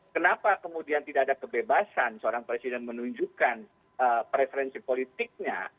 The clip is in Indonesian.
kenapa kemudian tidak ada kebebasan seorang presiden menunjukkan preferensi politiknya